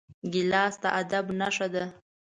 ګیلاس د ادب نښه ده.